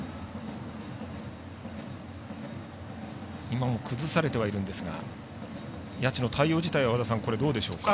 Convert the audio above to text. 今も崩されてはいるんですが谷内の対応自体は和田さん、どうでしょうか。